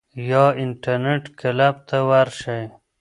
یا انټرنیټ کلب ته ورشئ.